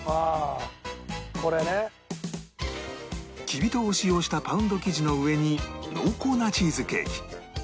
きび糖を使用したパウンド生地の上に濃厚なチーズケーキ